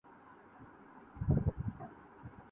وہ مردا ہے